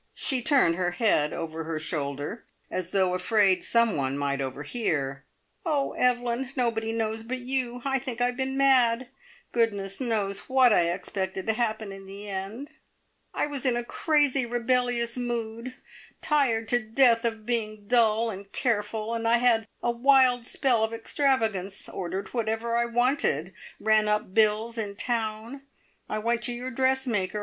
She turned her head over her shoulder, as though afraid some one might overhear. "Oh, Evelyn, nobody knows but you. I think I have been mad. Goodness knows what I expected to happen in the end. I was in a crazy, rebellious mood, tired to death of being dull and careful, and I had a wild spell of extravagance, ordered whatever I wanted, ran up bills in town. I went to your dressmaker.